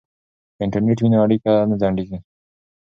که انټرنیټ وي نو اړیکه نه ځنډیږي.